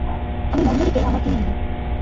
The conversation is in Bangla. আমি মঞ্জুরীকে আমার টিমে নিবো।